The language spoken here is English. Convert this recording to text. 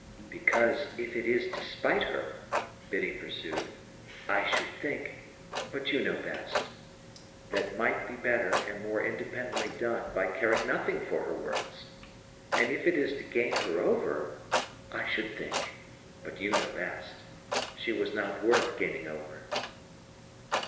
"Because, if it is to spite her," Biddy pursued, "I should think—but you know best—that might be better and more independently done by caring nothing for her words. And if it is to gain her over, I should think—but you know best—she was not worth gaining over."